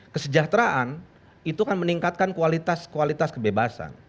kesejahteraan itu kan meningkatkan kualitas kualitas kebebasan